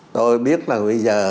tôi biết là bây giờ